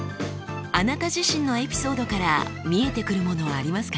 あなた自身のエピソードから見えてくるものはありますか？